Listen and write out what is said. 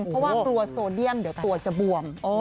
เพราะว่ากลัวโซเดียมเดี๋ยวตัวจะบวม